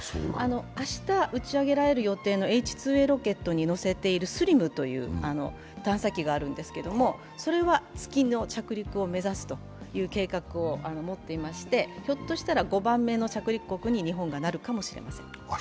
明日、打ち上げられる予定のＨ２Ａロケットに載せているＳＬＩＭという探査機があるんですが、それは月の着陸を目指すという計画を持っていまして、ひょっとしたら５番目の着陸国に日本がなるかもしれません。